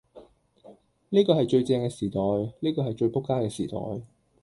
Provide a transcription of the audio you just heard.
呢個係最正嘅時代，呢個係最仆街嘅時代，